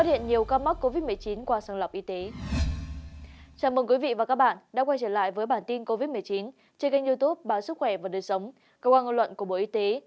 xin chào các bạn đã quay trở lại với bản tin covid một mươi chín trên kênh youtube bản sức khỏe và đời sống cơ quan ngôn luận của bộ y tế